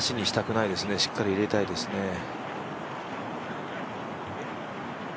しっかり入れたいですね。